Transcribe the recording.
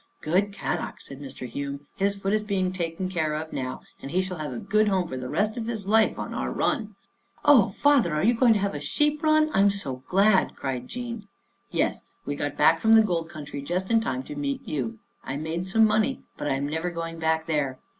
" Good Kadok," said Mr. Hume. " His foot is being taken care of now and he shall have a good home for the rest of his life on our run —"" Oh Father, are you going to have a sheep run! I'm so glad! " cried Jean. " Yes, we got back from the Gold Country just in time to meet you. I made some money, but I am never going back there.